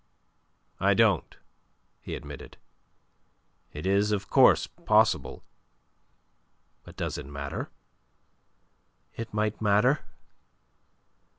"I don't," he admitted. "It is of course possible. But does it matter?" "It might matter.